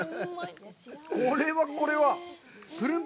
これはこれは！